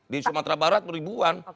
di sumatera barat ribuan